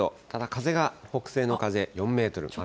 ただ風が、北西の風４メートル。